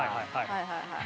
はいはいはい。